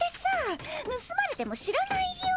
ぬすまれてもしらないよ。